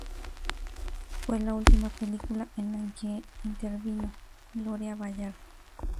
Fue la última película en la que intervino Gloria Bayardo.